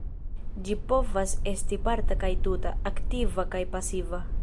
Ĝi povas esti parta kaj tuta, aktiva kaj pasiva.